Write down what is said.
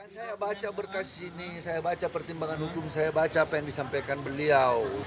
saya baca berkas ini saya baca pertimbangan hukum saya baca apa yang disampaikan beliau